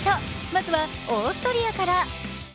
まずはオーストリアから。